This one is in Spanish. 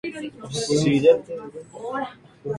Está situado al norte de Neustadt en Holstein.